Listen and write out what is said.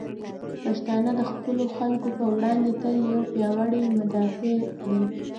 پښتانه د خپلو خلکو په وړاندې تل یو پیاوړي مدافع دی.